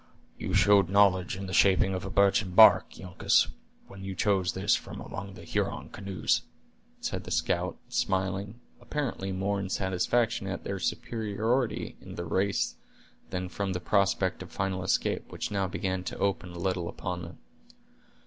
"You showed knowledge in the shaping of a birchen bark, Uncas, when you chose this from among the Huron canoes," said the scout, smiling, apparently more in satisfaction at their superiority in the race than from that prospect of final escape which now began to open a little upon them.